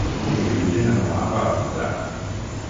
Diumenge na Noa va a Vidrà.